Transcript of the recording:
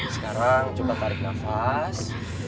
sekarang coba tarik nafas